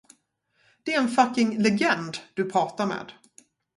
Det är en fakking legend du pratar med.